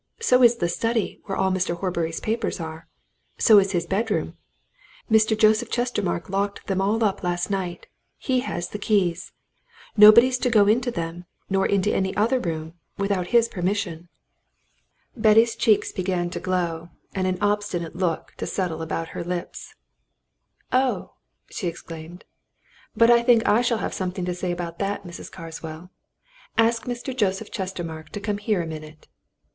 So is the study where all Mr. Horbury's papers are. So is his bedroom. Mr. Joseph Chestermarke locked them all up last night he has the keys. Nobody's to go into them nor into any other room without his permission." Betty's cheeks began to glow, and an obstinate look to settle about her lips. "Oh!" she exclaimed. "But I think I shall have something to say to that, Mrs. Carswell. Ask Mr. Joseph Chestermarke to come here a minute."